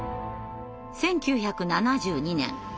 １９７２年。